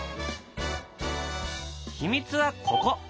秘密はここ。